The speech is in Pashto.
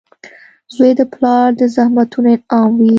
• زوی د پلار د زحمتونو انعام وي.